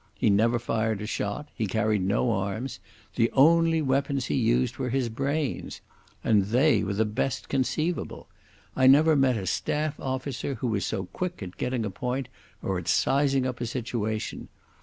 He never fired a shot; he carried no arms; the only weapons he used were his brains. And they were the best conceivable. I never met a staff officer who was so quick at getting a point or at sizing up a situation.